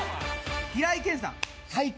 平井堅さん、最高。